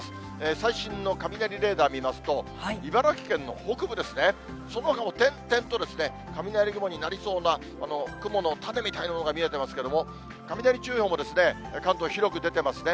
最新の雷レーダー見ますと、茨城県の北部ですね、そのほかも点々と、雷雲になりそうな雲の種みたいなのが見えてますけど、雷注意報も、関東広く出ていますね。